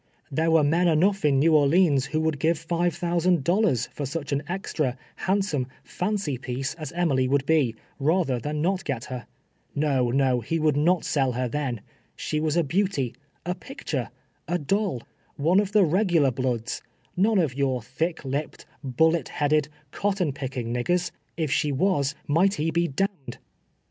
There were men enough in New Orleans who would give fiv^e thousand dollars for such an extra, handsome, fancy piece as Emily would be, rather than not get her. No, no, he would not sell her then. She was a beauty — a picture — a doll — one of the regular bloods — none of your thick lipped, bullet headed, cotton picking niggers — if she was might he be d— d.